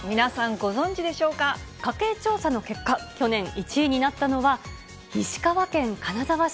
ご存じ家計調査の結果、去年１位になったのは、石川県金沢市。